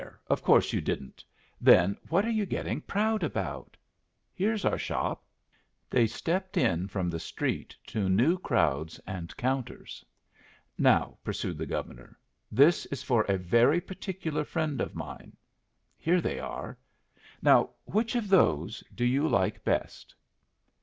Of course you didn't. Then, what are you getting proud about? Here's our shop." They stepped in from the street to new crowds and counters. "Now," pursued the Governor, "this is for a very particular friend of mine. Here they are. Now, which of those do you like best?"